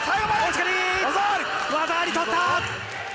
技あり取った！